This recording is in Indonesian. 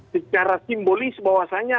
secara simbolis bahwasannya